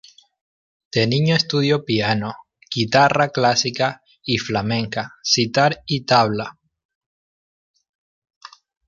De niño estudió piano, guitarra clásica y flamenca, sitar y tabla.